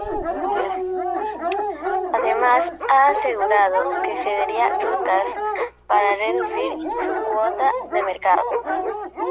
Además ha asegurado que cedería rutas para reducir su cuota de mercado.